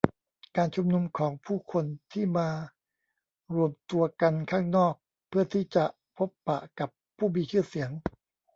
การชุมนุมของผู้คนที่มารวมตัวกันข้างนอกเพื่อที่จะพบปะกับผู้มีชื่อเสียง